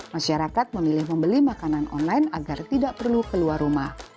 masyarakat memilih membeli makanan online agar tidak perlu keluar rumah